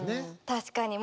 確かに。